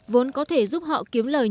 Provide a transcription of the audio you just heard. vốn có thể giúp họ kiếm lời nhận